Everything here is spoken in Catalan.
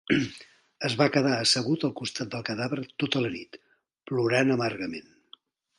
Es va quedar assegut al costat del cadàver tota la nit, plorant amargament.